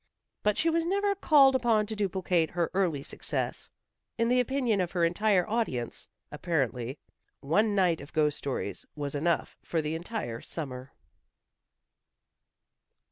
But she was never called upon to duplicate her early success. In the opinion of her entire audience, apparently, one night of ghost stories was enough for the entire summer.